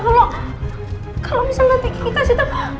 kalau kalau misalnya nanti kita sitap